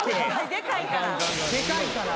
でかいから。